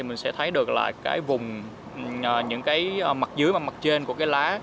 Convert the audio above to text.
mình sẽ thấy được mặt dưới và mặt trên của lá